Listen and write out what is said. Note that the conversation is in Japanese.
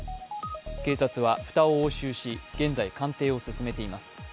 警察は蓋を押収し、現在、鑑定を進めています。